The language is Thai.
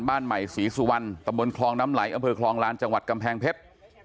บ้านใหม่ศรีสุวรรณตำบลคลองน้ำไหลอำเภอคลองลานจังหวัดกำแพงเพชร